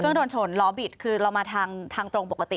โดนชนล้อบิดคือเรามาทางตรงปกติ